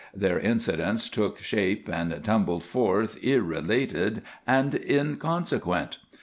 Their incidents took shape and tumbled forth irrelated and inconsequent.